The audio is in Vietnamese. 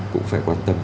cũng phải quan tâm